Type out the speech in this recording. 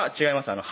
違います